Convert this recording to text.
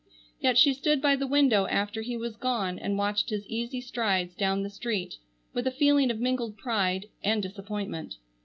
Yet she stood by the window after he was gone and watched his easy strides down the street with a feeling of mingled pride and disappointment.